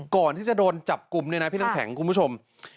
ก่อนที่จะโดนจับกลุ่มเนี่ยนะพี่น้ำแข็งคุณผู้ชม